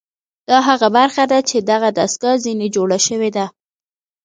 دا هغه برخه ده چې دغه دستګاه ځنې جوړه شوې ده